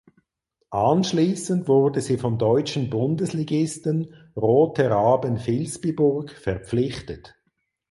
Anschließend wurde sie vom deutschen Bundesligisten Rote Raben Vilsbiburg verpflichtet.